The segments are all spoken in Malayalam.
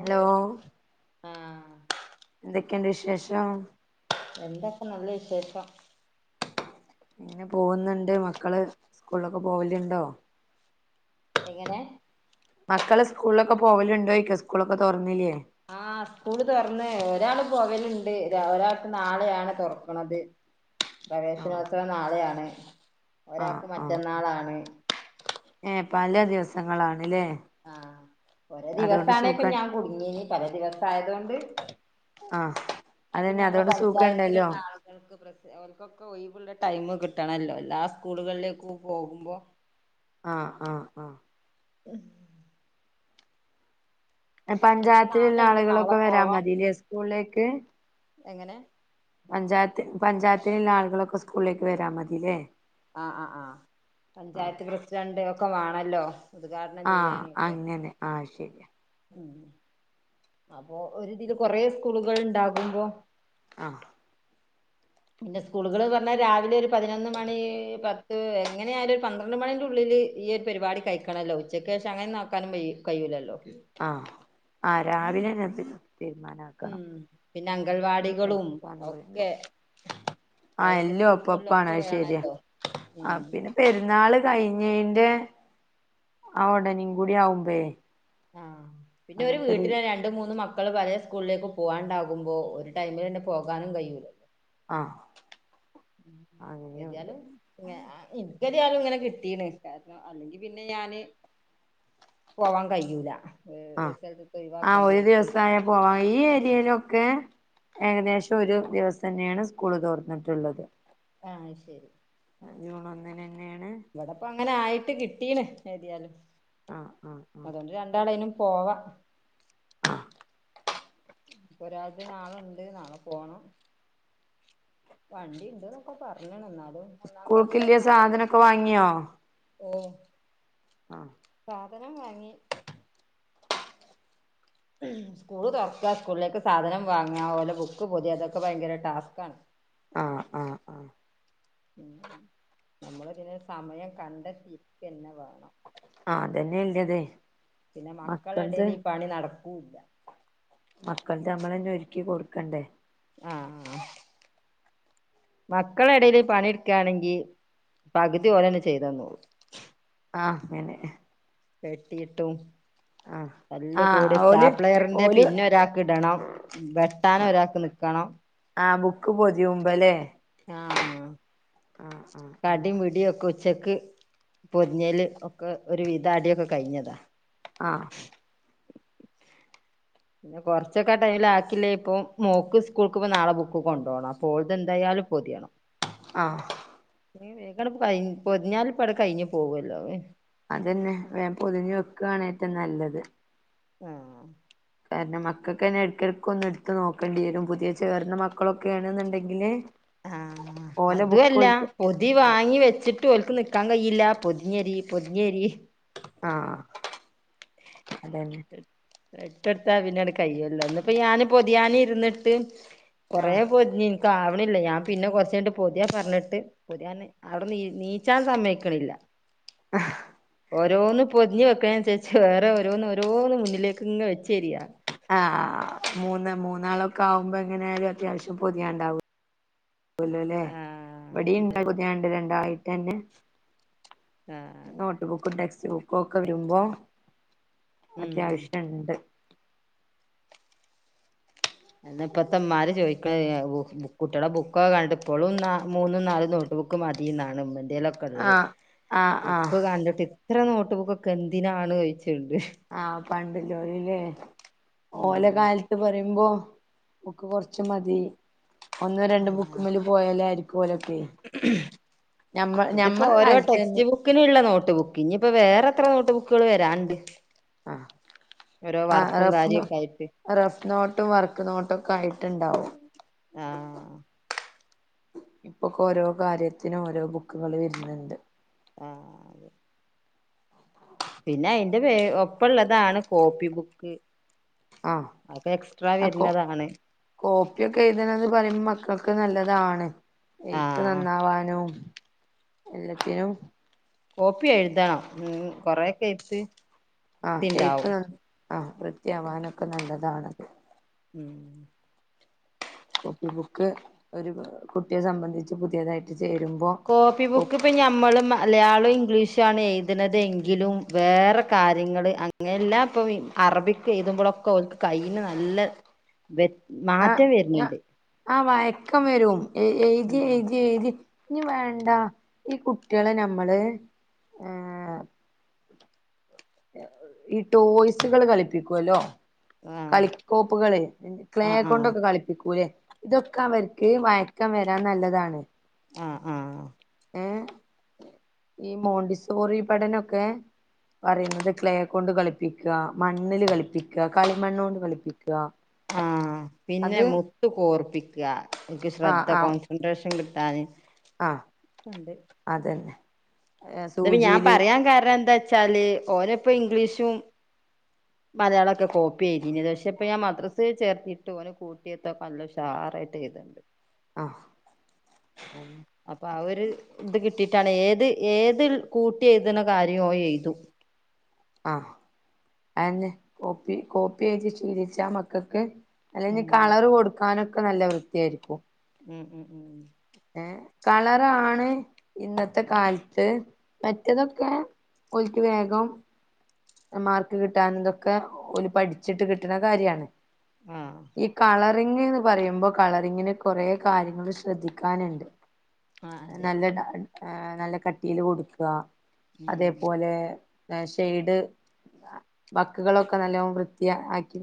ഹലോ ആഹ് എന്തൊക്കെണ്ട് വിശേഷം എന്താ ഇപ്പം നല്ല വിശേഷം ഇങ്ങനെ പോകുന്നുണ്ട് മക്കള് സ്കൂളിലൊക്കെ പോവലുണ്ടോ എങ്ങനെ മക്കള് സ്കൂളിലൊക്കെ പോവലുണ്ടോ ചോയിക്കാ സ്കൂളൊക്കെ തുറന്നില്യേ ആ സ്കൂൾ തൊർന്ന് ഒരാള് പോകല്ണ്ട് ഒരാക്ക്‌ നാളെയാണ് തൊർക്ക്ണത് ആഹ് പ്രവേശനോത്സവം നാളെയാണ് ആഹ് ഒരാക്ക് ആഹ് മറ്റന്നാളാണ് ഏ പല ദിവസങ്ങളാണ് ആഹ് ഒരെ ദിവസാണേപ്പ സുഖം ഞാൻ കുടുങ്ങീനി പല ദിവസായതോണ്ട് ആഹ് ആ പിന്നെ അതന്നെ നമ്മള അതുകൊണ്ട് സുഖണ്ടല്ലോ പഞ്ചായത്തിലുള്ള ആളുകൾക്ക് പ്ര ഓൽക്കൊക്കെ ഒയ്വ്ള്ള ടൈം കിട്ടണല്ലോ എല്ലാ സ്കൂളുകളിലേക്കും പോകുമ്പോ ആഹ് ആഹ് ആഹ് [unintelligible] ഇനിയിപ്പോ നാളെ പഞ്ചായത്തിലുള്ള ഉണ്ട് നാളെ ആളുകളൊക്കെ വരാ പോവാണ്ട് മതില്ലേ സ്കൂളിലേക്ക് എങ്ങനെ പഞ്ചാ പഞ്ചായത്തിലുള്ള ആളുകളൊക്കെ സ്കൂളിലേക്ക് വെരാ മതില്ലേ അ അ ആഹ് പഞ്ചായത്ത് പ്രസിഡന്റ് ക്കെ വാണല്ലോ ആഹ് അങ്ങനെ ആ ശെരി അപ്പൊ ഒരു ഇതിൽ കൊറേ സ്കൂളുകൾ ഉണ്ടാകുമ്പോ ആഹ് പിന്നെ സ്കൂളുകൾ പറഞ്ഞാൽ രാവിലെ ഒരു പതിനൊന്ന് മണി പത്ത് എങ്ങനെ ആയാലും ഒരു പന്ത്രണ്ട് മണിന്റെ ഉള്ളില് ഈ ഒരു പരിപാടി കഴിക്കണല്ലോ ഉച്ചക്ക് ശേഷം അങ്ങനെ നോക്കാനും കഴിയുല്ലല്ലോ ആഹ് ആഹ് രാവിലെന്നെത്തി തീരുമാനാക്കണം ഉം പിന്നെ സ്കൂള് അംഗൻവാടികളും തെറക്കാന് ഒക്കെ പറയുബം ആ പ്രൈവറ്റ് എല്ലാം സ്കൂളുകളിലും ഒപ്പപ്പം ആണ് ഒക്കെ അയ് ശരിയാ വേണല്ലോ ആ ഉം പിന്നെ പെരുന്നാള് കഴിഞ്ഞേന്റെ ആ ഉടെനെ കൂടി ആകുമ്പയേ ആഹ് പിന്നെ ഒരു വീട്ടിലെ രണ്ടു മൂന്ന് മക്ക മക്കള് പഴയ സ്കൂളിലേക്ക് പോകാണ്ടാകുമ്പോ ഒരു ടൈമില ന്നെ പോകാനും കഴിയൂല്ലോ ആ ഏതിയാലും ഞാ ആഹ് ഇ എതിയാലും ഇങ്ങനെ കിട്ടീണ് കാരണം അല്ലെങ്കി പിന്നെ ഞാന് പോവാൻ കഴിയൂല ആഹാ ഒരു സ്ഥലത്ത് ആ ഒഴിവാക്കേണ്ടി ഒരു വരും ദിവസായ പോവാ ഈ ഏരിയയിലൊക്കെ ഏകദേശം ഒരു ദിവസന്നെയാണ് സ്കൂള് തൊറന്നിട്ടുള്ളത് അയ് ശരി ജൂൺ ഒന്നിന്. ഇവടിപ്പം അങ്ങനെ ആയി ട്ട് കിട്ടീണ് എഴുതിയാലും ആഹ് ആഹ് ആഹ് അതുകൊണ്ട് രണ്ടാളേനും പോവാം ആ ഒരാക്ക് നാളെണ്ട് നാളെ പോണം വണ്ടിയുണ്ടെന്നൊക്കെ പറഞ്ഞണ് എന്നാലും ഒന്നാം സ്കോള് കില്യ സാധനൊക്കെ വാങ്ങിയോ ഓ ആ സാധനം വാങ്ങി സ്കൂള് തൊറക്ക സ്കൂളിലേക്ക് സാധനം വാങ്ങക ഓന്റെ ബുക്ക് പൊതിയക അതൊക്കെ ഭയങ്കര ടാസ്കാ ണ് ആ ആ ആ ഉം നമ്മള് പിന്നെ സമയം കണ്ടെത്തി തന്നെ വേണം ആ അതന്നെ ഇല്ലതെ പിന്നെ മകളുടെയിടേല് ഈ പണി നടുക്കു ക്കൂ ല്ല മക്കൾ നമ്മളന്നെ ഒരുക്കി കൊടുക്കേണ്ടേ മക്കളടെ എടയില് പണിെടുക്കയാണെങ്കി പകുതി ഓര് തന്നെ ചെയ്ത് തന്നോള്ളും ആഹ് അങ്ങനെ വെട്ടിയിട്ടും ആഹ് തല്ല് ആഹ് കൂടി ഓല് സ്റ്റാപ്ലെയറിന്റെ ഓല് പിന്ന് ഒരാക്ക് ഇടണം വെട്ടാൻ ഒരാക്കു നിക്കണം ആഹ് ബുക്ക് പൊതിയുമ്പല്ലേ ആ ആഹ് ആഹ് ആഹ് അടിയും പിടിയും ഒക്കെവെച്ച് ഉച്ചക്ക് പൊതിഞ്ഞേല് ഒക്കെ ഒരു വിധം അടിയൊക്കെ കഴിഞ്ഞതാ ആ പിന്നെ കൊറച്ചൊക്കെ ടൈമിൽ ആക്കില്ലേ ഇപ്പം മോക്ക്സ്കൂൾക്ക് നാളെ ബുക്ക് കൊണ്ടോണം. അപ്പോളെന്തായാലും പൊതിയണം. ആഹ് നിങ്ങള് പൊതി പൊതിഞ്ഞാലിപ്പളെ കഴിഞ്ഞ് പോവുവല്ലോ അതന്നെ ആ കാരണം, മക്കൾക്ക് തന്നെ ഇടക്കിടക്കൊന്ന് എടുത്ത് നോക്കേണ്ടി വരും. പുതിയചേരുന്ന വാക്കുകളൊക്കെയാ ണെന്നുണ്ടെങ്കില്. ആ.. അതുമല്ല പൊതി ആഹ് വാങ്ങിവെച്ചിട്ട് ഓൾക്ക് നിക്കാൻ കഴിയില്ലാപൊതിഞ്ഞേടി, പൊതിഞ്ഞേടി ആ അതന്നെ എട്ടട്ട്പിന്നെയത് കഴിയൂ ലോ പിന്നെഞാന് പൊതിയാനിരുന്നിട്ട് കൊറേ ആഹ് പൊതിഞ്ഞീന്ന് ശ്രാവണില്ലേ, ഞാൻ പിന്നെ കൊറച്ചുനേരം പൊതിയാൻ പറഞ്ഞിട്ട്, പൊതിയാന് അവിടെന്നെനീച്ചാൻ സമ്മതിക്കണില്ല. ആഹ് ഓരോന്ന് പൊതിഞ്ഞു വെക്കുന്നതനുസ്സരിച്ച് പക്ഷേ വേറെ ഓരോന്നോരോന്ന് മുന്നിലേക്ക് ഇങ് വെച്ചരിയാ അ.. ആ.. അ.. മൂന്ന് മൂന്നാളൊക്കെ ആകുമ്പേ എങ്ങനെയായാലും അത്യാവശ്യം പൊതിയാണ്ടാവും. ണ്ടാവോലോ ലേ ആഹ് ഇവടീണ്ട് അതെ പൊതിയാന് രണ്ടാളത് തന്നെ ആഹ് നോട്ട്ബുക്കും, ടെക്സ്റ്റ് ബുക്കൊക്കെ വരുമ്പം ഉം അത്യാവശ്യമുണ്ട് [inaudible] എന്നപ്പത്തിന്മാര് ചോദിക്ക കുട്ടിയുടെ ബുക്കൊക്കെ കണ്ടിട്ട്, ഇപ്പോളും മൂന്നും നാലുംനോട്ട് ബുക്ക്മതിയെന്നാണ് ഉമ്മന്റെ എന്തേലൊക്കെ ഉള്ളേ ആഹ് ആഹ് ആഹ് ബുക്ക്കണ്ടിട്ടിപ്പം ഇത്ര നോട്ട്ബുക്കൊക്കെ എന്തിനാണ്ചോദിച്ചു ആ പണ്ടുള്ളോരില്ലേ ഓല ഉം കാലത്ത്പറയുമ്പോ ഒക്കെ കൊറച്ചുമതി ഒന്നുരണ്ട് ബുക്കമേലേ പോയാലേ ആരി ഞമ്മ ഞമ്മളെ ഇതിപ്പോരോ കാലത്ത് തന്നെ ടെക്സ്റ്റ് ബുക്കിനുള്ള നോട്ട് ബുക്ക്, ഇനിയിപ്പോ വേറെ എത്ര നോട്ടുബുക്കുകൾ വരാണ്ട്. അ.. ഓരോ ആ.. വർക്കും റഫ്നോ കാര്യൊക്കെ ആയിട്ട് റഫ് നോട്ടും വർക്ക്നോട്ടും ഒക്കെ ആയിട്ടുണ്ടാവും. ആഹ് ഇപ്പൊഒക്കെ ഓരോ കാര്യത്തിനും ഓരോ ബുക്കുകൾ വരുന്നുണ്ട് ആ... ആതെ പിന്നെ അയിന്റെ വേ.. ഒപ്പമുള്ളതാണ് കോപ്പി ബുക്ക്. ആഹ് അതൊക്കെ എക്സ്ട്രാ ആ കോ വരുന്നതാണ് കോപ്പിയൊക്കെ എഴുതണന്ന് പറയുമ്പോ മക്കൾക്ക് നല്ല താണ്. എഴ്ത്ത് ആഹ് നന്നാവാനും എല്ലത്തിനും കോപ്പി എഴുതണം. ഉം കൊറെ ഒക്കെ എഴ്ത്ത് ആഹ് എഴുത്ത് [inaudible] ആഹ് വൃത്തിയാവാനൊക്കെ നല്ലതാണത്. ഉം കോപ്പി ബുക്ക് ഒരു കുട്ടിയെ സംബന്ധിച്ച് പുതിയതായിട്ട് ചേരുമ്പോ കോപ്പി ബുക്ക് ഇപ്പ ഞമ്മള് മലയാളോം ഇംഗ്ലീഷ് ഷാണ് എഴുത്ണത് എങ്കിലും വേറെ കാര്യങ്ങള് അങ്ങനല്ലാ ഇപ്പം ഇ അറബിക് എഴുതുമ്പോളൊക്കെ ഓൽക്ക് കയ്യിന് നല്ല വെ ആ മാറ്റം ആ വെരിന്ണ്ട് ആ വയക്കം വരും. എ എഴ്തി എഴ്തി എഴ്തി ഇനി വേണ്ട ഈ കുട്ടിയളെ നമ്മള് ഏ ഏ ഈ ടോയ്സുകള് കളിപ്പിക്കുവല്ലോ? ആഹ് കളിക്കോപ്പുകളെ ക്ലേ ആഹ് ആഹ് കൊണ്ടൊക്കെ കളിപ്പിക്കൂലെ? ഇതൊക്കെ അവർക്ക് വയക്കം വരാൻ നല്ലതാണ്. ആഹ് ആഹ് ഏ ഈ മോണ്ടിസോറി പഠനൊക്കെ പറയുന്നത് ക്ലേ കൊണ്ട് കളിപ്പിക്ക, മണ്ണില് കളിപ്പിക്ക, കളിമണ്ണ് കൊണ്ട് കളിപ്പി ആഹ് പിന്നെ മുത്ത് കോർപ്പിക്ക ഇവൽക്ക് ശ്രദ്ധ കോൺസെൻട്രേഷൻ കി ട്ടാന് ആഹ് അതന്നെ ഇതിപ്പോ ഞാൻ സൂചിയില് പറയാൻ കാരണം എന്ത ച്ചാല് ഓലെ ഇപ്പോ ഇംഗ്ലീഷും മലയാളം ഒക്കെ കോപ്പി എഴ്തീനിയത് പക്ഷെ ഇപ്പോ ഞാൻ മദ്രസ് ചേർത്തിട്ട് ഓനെ [unintelligible] ഇപ്പോ നല്ല ഉഷാറായിട്ട് എഴ്‌ത്ണ്ട്. ആ അന്നെ അപ്പ ആ ഒരു ത് കി കിട്ടിട്ടാണ് ഏത് ഏ തിൽ കൂട്ടി എഴുത്ണ കാര്യോം ഓൻ എഴുതും. ആഹ് അയെന്നെ കോപ്പി കോപ്പി എഴുതി ശീലിച്ച മക്കക്ക് അല്ലെങ്കി ഉം കളർ കൊടുക്കാനൊ ഒക്കെ നല്ല വൃത്തിയായിരിക്കും. ഉം ഉം ഉം ഏ കളറാണ് ഇന്നത്തെ കാലത്ത് മറ്റതൊക്കെ ഓൽക്ക് വേഗം മാർക്ക് കിട്ടാനും ഇതൊക്കെ ഓല് പഠിച്ചിട്ട് കിട്ട്ണ കാര്യാണ്. ആഹ് ഈ കള റിംഗ് ന്ന് പറയുമ്പോ കളറിംഗിന് കൊറ കാര്യങ്ങള് ശ്രദ്ധിക്കാന്ണ്ട്. ആഹ് അതെ നല്ല ആ നല്ല കട്ടീല് കൊടുക്കുക ഉം അതേപോലെ ഷെയ്ഡ് വക്കുകളൊക്കെ നല്ല വൃത്തി ആക്കി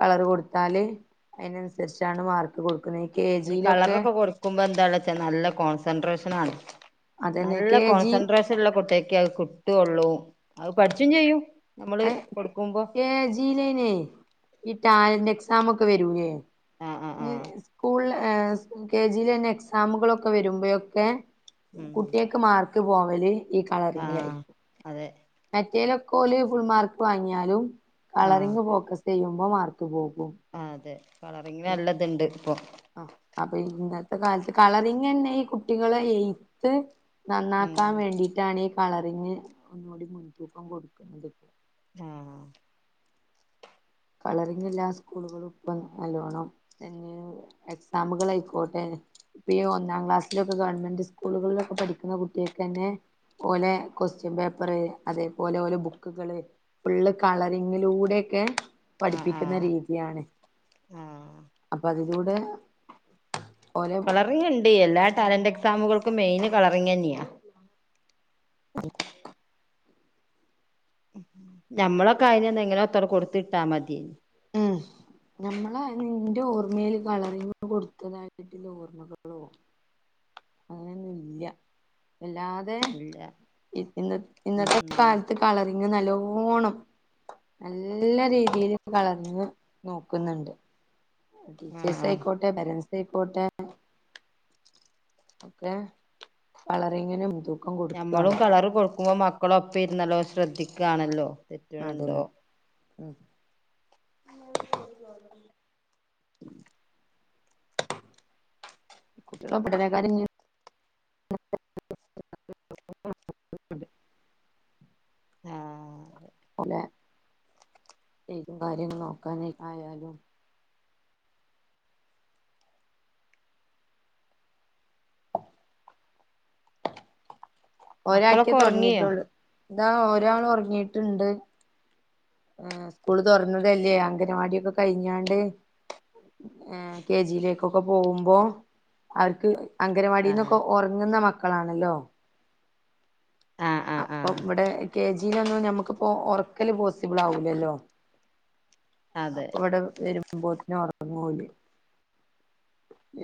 കളറ് കൊടുത്താൽ അതിനനുസരിച്ചാണ് മാർക്ക് കൊടുക്കുന്നത് കെ അതിന് ജിയിലൊക്കെ കളറൊക്കെ കൊടുക്കുമ്പോ എന്താള്ള നല്ല കോൺസെൻട്രേഷൻ ആണ് അതന്നെ നല്ല കെ ജി കോൺസെൻട്രേഷൻ ഉള്ള കുട്ടിയക്കെ കിട്ടുള്ളൂ അത് പഠിച്ചും ചെയ്യും നമ്മള് ആ കൊടുക്കുമ്പോ കെ ജിലാണ് ഈ ടാലൻ്റ് എക്സാം ഒക്കെ വരൂല്ലേ ആഹ് ആഹ് ങ് ആഹ് സ്കൂളില് ആ കെ ജിലെ ന്നെ എക്സാമുകളൊക്കെ വരുമ്പോഴൊക്കെ കുട്ടികൾക്ക് മാർ തു പോവല് ഈ ആ അതെ മറ്റെയ്നൊക്കെ ഓല് ഫുൾ മാർക്ക് വാങ്ങിയാലും ആഹ് കളറിങ് പോക്കസ് ചെയ്യുമ്പോ മാർക്ക് പോകും ആ അതെ കളറിങ്ങ് നല്ലത്ണ്ട് പ്പൊ അപ്പൊ ഇന്നത്തെ കാലത്ത് കളറിങ് ന്നെ കുട്ടികളെ എയ്ത്ത് നന്നാക്കാൻ ഉം വേണ്ടിട്ടാണ് കളറിങ്ങ് ഒന്നുകൂടി മുൻതൂക്കം കൊടുക്കുന്നത് ആ കളറിങ് എല്ലാ സ്കൂളുകളും പ്പം നല്ലോണംന്നെ എക്സാമുകൾ ആയിക്കോട്ടെ ഇപ്പീ ഒന്നാം ക്ലാസ്സിലൊക്കെ ഗവൺമെന്റ് സ്കൂളുകളിലൊക്കെ പഠിക്കുന്ന കുട്ടികൾക്ക് തന്നെ ഓലെ ക്വസ്റ്റ്യൻ പേപ്പറ് അതേപോലെ ഓലെ ബുക്കുകള് ഫുള്ള് കളറിങ്ങിലൂടെക്കെ ആ ആ പഠിപ്പിക്കുന്ന രീതിയാണ് ആ അപ്പൊ അത് ഇവിടെ കളറേണ്ട് എല്ലാ ടാലന്റ് എക്സാമുകൾക്ക് മെയിന് കളറിങ്ങെന്നെയാ ഉ നമ്മളൊക്കെ ആയിഞ്ഞന്ന് എങ്ങനോ ത്ര കൊടുത്തിട്ടാ മതിയേഞ് ഉം ഞമ്മളായന്ന് നിന്റെ ഓർമ്മയില് കളറിങ്‌ കൊടുത്തതായിട്ടില്ല ഓർമ്മകളോ അങ്ങനെയൊന്നുംല്ല എല്ലാതെ ഇല്ല ഇന്ന ഉം ഇന്നത്തെ ഉം കാലത്ത് കളറിങ്ങ് നല്ലോ പോണം നല്ല രീതീല് കളറിങ്ങ് നോക്കുന്നുണ്ട് ടീച്ചേഴ്സ് ആഹ് ആയിക്കോട്ടെ പേരൻസ് ദയ്കോട്ടെ എ കളറിങ്ങിനും തും ഞമ്മളും കളറ് കൊട് പ്പം മക്കളൊപ്പ ഇര്ന്ന് നല്ലോ ശ്രെദ്ദികാണല്ലോ തെറ്റ്ണ് ണ്ടോ അതന്നെ ഉം [unintelligible] ആ പോലെ ഏത് കാര്യങ്ങൾ നോക്കാന് ആയാലും ഒരാക്കേ മക്കളൊക്കെ ഉറങ്ങിയോ തൊടങ്ങീട്ടോള്ളു ദാ ഒരാള് ഒർങ്ങീട്ട്ണ്ട് ഹ് സ്കൂള് തൊർന്നതെല്ലേ അംഗനവാടിയൊക്കെ കഴിഞാണ്ട് ഏ കെ ജി യിലേക്കൊക്കെ പോവുമ്പോ അവർക് ആഹ് അംഗനവാടിന്നൊക്കെ ഒറങ്ങ്ന്ന മക് ക്കളാണല്ലോ ആഹ് ആഹ് അപ്പം ആഹ് വ്ടേ കെ ജി ന്നൊന്നും ഞമ്മക് പ്പോ ഒർക്കല് പോസിബ്ളാവൂലല്ലോ അതെ അപ്പൊ വടെ വരും രുമ്പോത്തിന് ഒറക്കം പോവൂലേ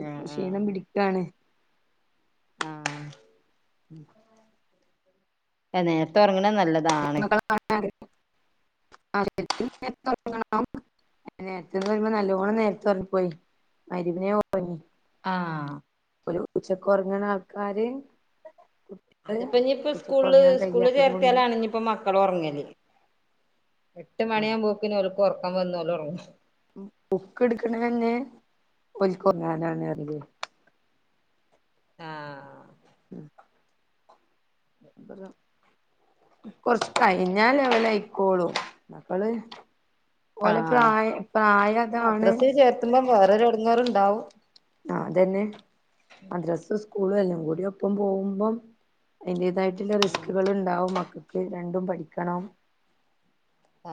ആഹ് ക്ഷീണം ആഹ് പിടിക്കാണ് ആഹ് [inaudible] ഏ നേരത്തെ ഒറങ്ങ്ണ് ങ്ങ്ണെ നല്ലതാണ് ആവശ്യത്തിന് നേർത്തൊറങ്ങണം നേരത്തെന്നറിമ്പം നല്ലോണം നേരത്തൊർങ്ങി പോയി മഗ് രിബിനേ ഒർങ്ങി ആ ഒരു ഉച്ചകൊർങ്ങ്ണാൾക്കാര് അത്പ്പഞ്ഞിപ്പൊ സ്കൂൾല് സ്കൂള് കഴിയാത്തത് കൊണ്ട് ചേർത്തിയാലാണ് ഞ്പ്പം മക്കളൊർങ്ങല് എട്ട് മണിയാമ്പോകിന് ഓൽ ഒർക്കം വന്ന ഓലൊർങ്ങും ബുക്ക് ട്ക്ണെന്നെ ഓൽകൊർങ്ങാനാണ്റിം ഞാൻ ആ [inaudible] അത് റം കൊർച്ചൊക്കായി തിന്നാനവളായികോളും അപള് ഓലെ ആഹ് പ്രായം പ്രായ അതാണ് വേറൊരടങ്ങേറ്ണ്ടാവും ആ അതന്നെ മദ്രസ് സ് കൂള് എല്ലം കൂടി ഒപ്പം പോകുമ്പം അതിന്റേതായി ത്തിന്റെ ഉം റിസ്കുകള് ണ്ടാവും മ്മക്ക് ത് രണ്ടും പഠിക്കണം ആ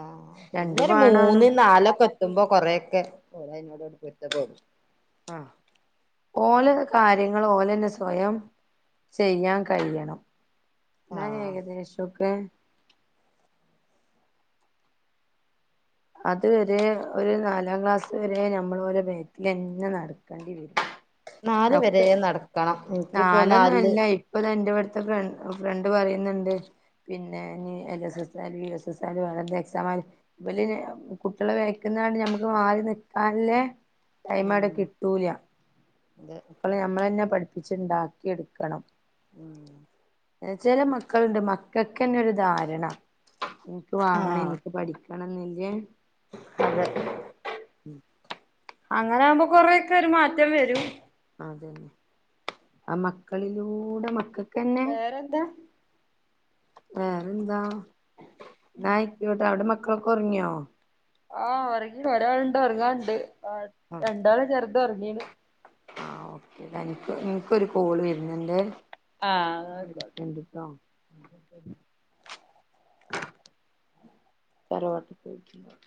രണ്ടും പിന്നെരു വേണാണ് മൂന്ന് നാലൊക്കെ എത്തുമ്പോ കൊറെക്കെ ഓല് അതിനോടണ്ട് പൊരുത്തപ്പെടും ആ ഓനത് കാര്യങ്ങള് ഓലെന്നെ സ്വയം ചെയ്യാൻ കഴിയണം ആഹ് ന്നാലേകദേഷൊക്കെ അത് വരെ ഒരു നാലാം ക്ലാസ് വരെ ഞമ്മൾ ഓലെ ബാക്കിലെന്നെ നടക്കണ്ടി വരും നാല് വരെ ഒക്കെ നടക്കണം ഇൻക്ക് ഇപ്പോ നാല് ല് ഇന്റെ ഫ്രൺ ഫ്രണ്ട് പറയുന്ന്ണ്ട് പിന്നെ ഇനി എൽ എസ് എസ് ആയാലും യു എസ് എസ് ആയാലും വേറെന്ത് എക്സാം ആയാലും, ഇവല് ഇഞ്ഞ് കുട്ടികളെ വേക്കുന്നാണ്ട് ഞമ്മക്ക് മാറി നിക്കാൻ ല്ലെ ടൈം അവിടെ ഉം കിട്ടൂല അതെ അപ്പള് നമ്മളന്നെ പഠിപ്പിച്ച്ണ്ടാക്കി എടുക്കണം ഉം ചെല മക്കളുണ്ട് മക്കക്കെന്നെ ഒരു ധാരണ ഇൻക്ക് വാങ്ങണം ആഹ് എനിക്ക് പഠിക്ക വേണെന്നില്‌യേ അതെ ഉം അങ്ങനെ ആവുമ്പോ കൊറെയെക്കെ ഒരു മാറ്റം വരും അതന്നെ ആ മക്കളിലൂടെ മക്ക വേറെന്താ വേറന്താ ഇന്നായ്ക്കോട്ടെ അവിടെ മക് മക്കളൊക്കൊറങ്ങിയോ ആഹ് ഒറങ്ങി ഒരാൾ ണ്ട് ഒറങ്ങാണ്ട് ആ ആഹ് രണ്ടാള ചെർ ണ്ടും ഒറങ്ങിണ് എടാ എനിക്ക് ഇൻക്കൊരു കോൾ വര് പിന്നെ എന്ത് ആഹ് ന്നാ ആയിക്കോട്ടെ വിളിക്കണ്ട് ട്ടോ തറവാട്ടിൽ പോയിക്കണ്